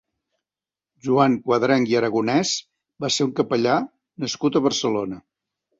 Joan Cuadrench i Aragonès va ser un capellà nascut a Barcelona.